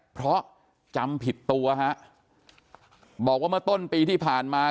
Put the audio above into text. เพราะจำผิดตัวฮะบอกว่าเมื่อต้นปีที่ผ่านมา